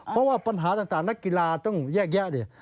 เพราะว่าพันธนาต่างนักกีฬาต้องแยกอย่างเดี๋ยว